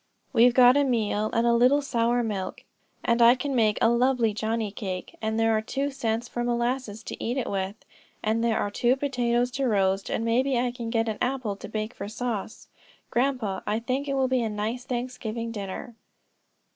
"We've got a little meal, and a little sour milk, and I can make a lovely johnny cake, and there are two cents for molasses to eat it with, and there are two potatoes to roast, and maybe I can get an apple to bake for sauce. Grandpa I think it will be a nice Thanksgiving dinner."